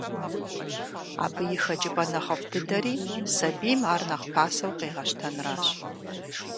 Абы и хэкӏыпӏэ нэхъыфӏ дыдэри сабийм ар нэхъ пасэу къегъэщтэнращ.